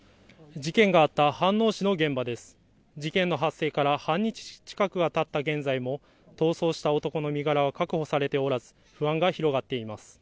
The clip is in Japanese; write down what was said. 事件の発生から半日近くがたった現在も逃走した男の身柄は確保されておらず不安が広がっています。